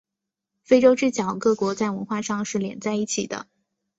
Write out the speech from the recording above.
非洲之角各国在文化上是连在一起的。